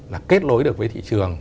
là kết lối được với thị trường